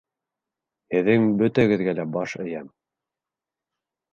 Һеҙҙең бөтәгеҙгә лә баш эйәм